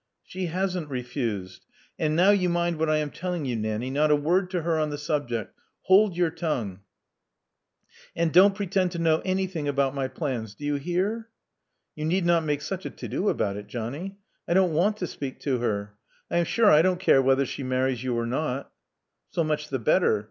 *'She hasn't refused. And — ^now you mind what I am telling you, Nanny — ^not a word to her on the sub ject. Hold your tongue; and don't pretend to know anything about my plans. Do you hear?" *'You need not make such a to do about it, Johnny. I don't want to speak to her. I am sure I don't care whether she marries you or not" So much the better.